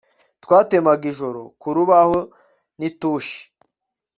twatemaga ijoro ku rubaho n'itushi